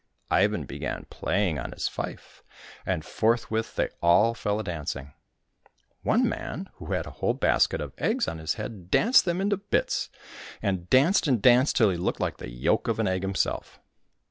Ivan began playing on his fife, and forthwith they all fell a dancing. One man who had a whole basket of eggs on his head danced them into bits, and danced and danced till he looked like the yolk of an tgg himself.